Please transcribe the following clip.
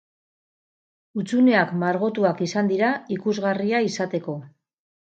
Hutsuneak margotuak izan dira ikusgarria izateko.